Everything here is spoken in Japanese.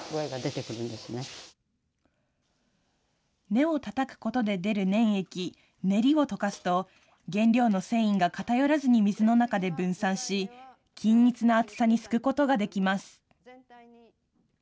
根をたたくことで出る粘液、ねりを溶かすと原料の繊維が偏らずに水の中で分散し、均一な厚さにすくことができます。